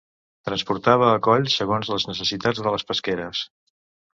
transportava a coll segons les necessitats de les pesqueres.